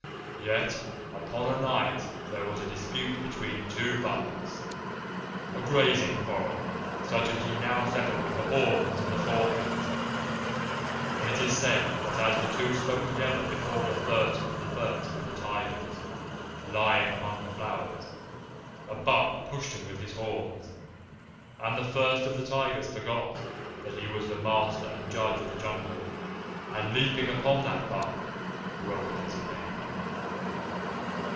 "Yet upon a night there was a dispute between two bucks a grazing quarrel such as ye now settle with the horns and the fore feet and it is said that as the two spoke together before the First of the First of the Tigers lying among the flowers, a buck pushed him with his horns, and the First of the Tigers forgot that he was the master and judge of the Jungle, and, leaping upon that buck, broke his neck.